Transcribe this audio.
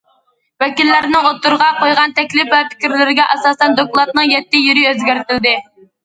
ۋەكىللەرنىڭ ئوتتۇرىغا قويغان تەكلىپ ۋە پىكىرلىرىگە ئاساسەن دوكلاتنىڭ يەتتە يېرى ئۆزگەرتىلدى.